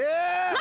何？